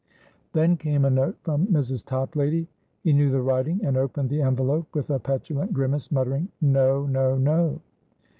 Then came a note from Mrs. Toplady. He knew the writing, and opened the envelope with a petulant grimace, muttering "No, no, no!"